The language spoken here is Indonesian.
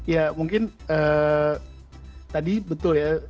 ya mungkin tadi betul ya